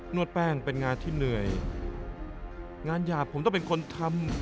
วดแป้งเป็นงานที่เหนื่อยงานหยาบผมต้องเป็นคนทำ